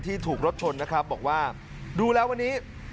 ถูกรถชนนะครับบอกว่าดูแล้ววันนี้